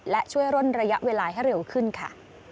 และช่วยร่นระยะเวลาให้เร็วขึ้นค่ะ